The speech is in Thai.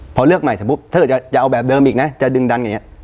พอเลือกใหม่ถ้าจะเอาแบบเดิมอีกนะจะดึงดังอย่างเนี้ย